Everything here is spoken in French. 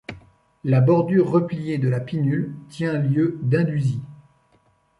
La bordure repliée de la pinnule tient lieu d'indusie.